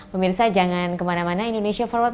pemirsa jangan kemana mana indonesia forward